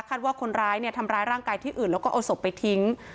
ว่าคนร้ายเนี่ยทำร้ายร่างกายที่อื่นแล้วก็เอาศพไปทิ้ง